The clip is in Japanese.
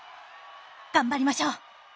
頑張りましょう！